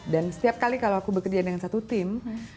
dan setiap kali kalau aku bekerja dengan satu tim